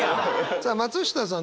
さあ松下さん